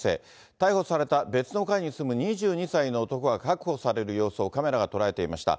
逮捕された別の階に住む２２歳の男が確保される様子をカメラが捉えていました。